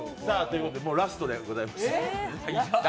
ラストでございます。